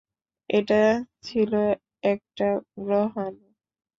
এটা ছিল একটা গ্রহাণু।